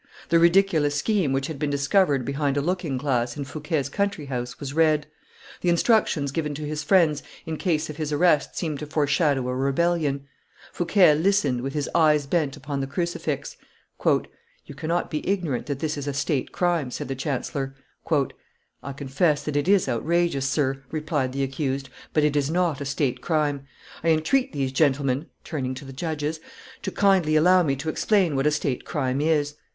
The ridiculous scheme which had been discovered behind a looking glass in Fouquet's country house was read; the instructions given to his friends in case of his arrest seemed to foreshadow a rebellion; Fouquet listened, with his eyes bent upon the crucifix. "You cannot be ignorant that this is a state crime," said the chancellor. "I confess that it is outrageous, sir," replied the accused; "but it is not a state crime. I entreat these gentlemen," turning to the judges, "to kindly allow me to explain what a state crime is.